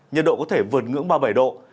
nhiệt độ có thể vượt ngưỡng ba mươi bảy độ